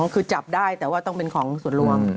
คือจับได้แต่ว่าต้องเป็นของส่วนรวม